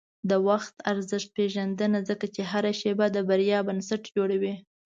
د وخت ارزښت پېژنه، ځکه چې هره شېبه د بریا بنسټ جوړوي.